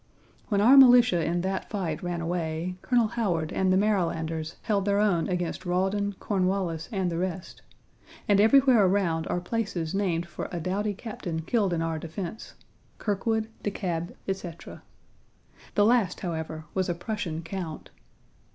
When our militia in that fight ran away, Colonel Howard and the Marylanders held their own against Rawdon, Cornwallis, and the rest, and everywhere around are places named for a doughty captain killed in our defense Kirkwood, De Kalb, etc. The last, however, was a Prussian count.